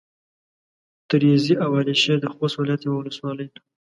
تريزي او على شېر د خوست ولايت يوه ولسوالي ده.